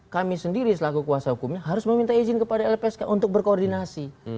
kami sendiri selaku kuasa hukumnya harus meminta izin kepada lpsk untuk berkoordinasi